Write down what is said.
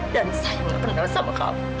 saya gak pernah sama kamu